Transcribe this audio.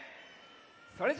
それじゃあ。